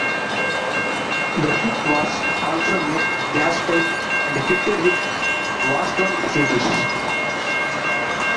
The ship was also made gas-tight and fitted with washdown facilities.